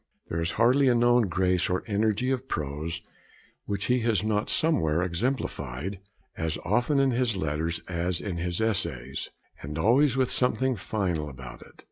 There is hardly a known grace or energy of prose which he has not somewhere exemplified; as often in his letters as in his essays; and always with something final about it.